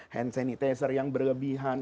hand sanitizer yang berlebihan